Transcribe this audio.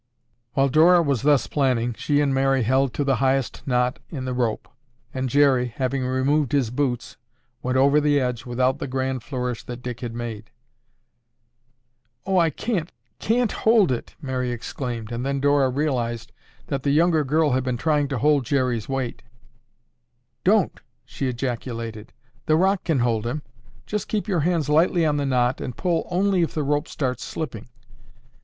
While Dora was thus planning, she and Mary held to the highest knot in the rope, and Jerry, having removed his boots, went over the edge without the grand flourish that Dick had made. "Oh, I can't, can't hold it!" Mary exclaimed, and then Dora realized that the younger girl had been trying to hold Jerry's weight. "Don't!" she ejaculated. "The rock can hold him. Just keep your hands lightly on the knot and pull only if the rope starts slipping."